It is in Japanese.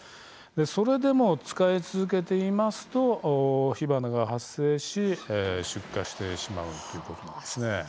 それでも使い続けていますと火花が発生して出火してしまいます。